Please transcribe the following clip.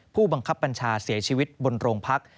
ผู้บังคับบัญชาเสียชีวิตบนโรงพัก